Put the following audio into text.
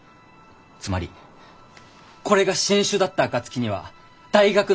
つまりこれが新種だった暁には大学の実績になる。